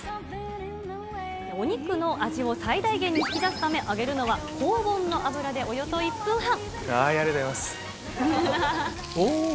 お肉の味を最大限に引き出すため、揚げるのは高温の油でおよそ１分半。